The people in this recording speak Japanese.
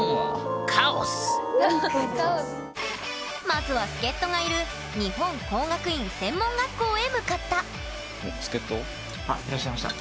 まずは助っ人がいる日本工学院専門学校へ向かったあいらっしゃいました。